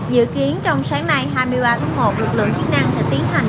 dự kiến trong sáng nay hai mươi ba tháng một lực lượng chức năng sẽ tiến hành